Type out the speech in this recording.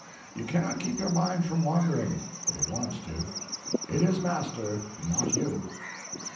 You cannot keep your mind from wandering, if it wants to; it is master, not you.